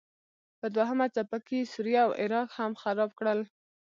په دوهمه څپه کې یې سوریه او عراق هم خراب کړل.